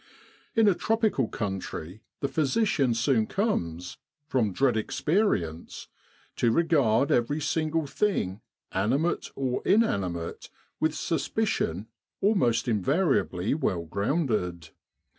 In a tropical country the physician soon comes, from dread experience, to regard every single thing, animate or inanimate, with suspicion almost invariably well grounded.